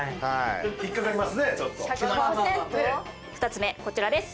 ２つ目こちらです。。